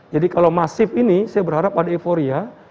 jadi kalau masif ini saya berharap ada euforia